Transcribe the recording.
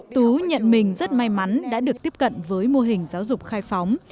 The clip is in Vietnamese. tú nhận mình rất may mắn đã được tiếp cận với mô hình giáo dục khai phóng